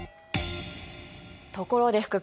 ところで福君。